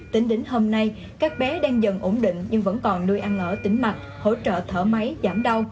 tính đến hôm nay các bé đang dần ổn định nhưng vẫn còn nuôi ăn ở tỉnh mặt hỗ trợ thở máy giảm đau